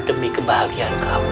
demi kebahagiaan kamu